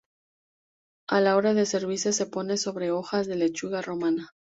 A la hora de servirse se pone sobre hojas de lechuga romana.